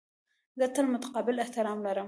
زه تل متقابل احترام لرم.